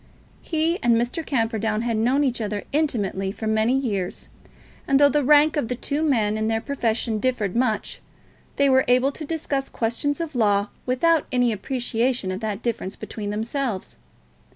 He and Mr. Camperdown had known each other intimately for many years, and though the rank of the two men in their profession differed much, they were able to discuss questions of law without any appreciation of that difference among themselves.